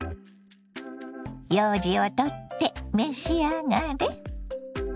ようじを取って召し上がれ。